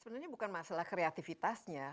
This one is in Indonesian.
sebenarnya bukan masalah kreatifitasnya